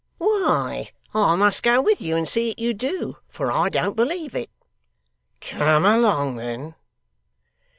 'Why, I must go with you and see that you do, for I don't believe it.' 'Come along then.